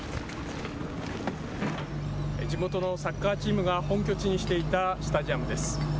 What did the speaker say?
地元のサッカーチームが本拠地にしていたスタジアムです。